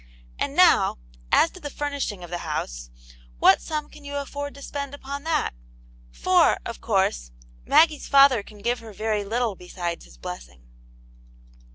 And now, as to the furnishing of this house, what sum can you afford to spend upon that } For, of course, Maggie's father can give her very little besides his blessing."